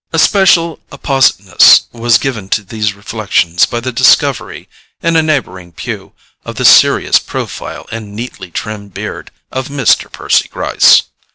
A special appositeness was given to these reflections by the discovery, in a neighbouring pew, of the serious profile and neatly trimmed beard of Mr. Percy Gryce.